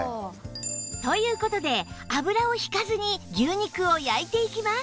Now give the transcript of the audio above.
という事で油を引かずに牛肉を焼いていきます